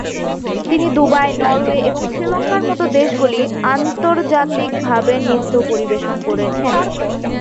তিনি Dubai, Norway এবং শ্রীলংকার মতো দেশগুলিতে আন্তর্জাতিকভাবে নৃত্য পরিবেশন করেছেন।